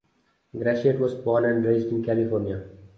Graciette was born and raised in California.